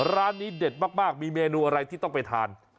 ร้านนี้เด็ดมากมีเมนูอะไรที่ต้องไปทาน